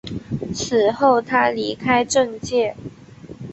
此后他离开政界。